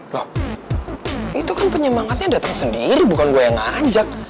loh itu kan penyemangatnya datang sendiri bukan gue yang ngajak